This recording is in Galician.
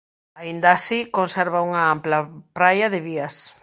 Aínda así conserva unha ampla praia de vías.